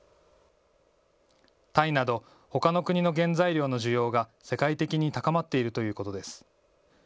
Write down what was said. タイなどほかの国の原材料の需要が世界的に高まっているということです。